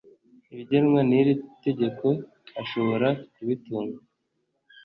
ibigenwa n iri tegeko Ashobora kubitunga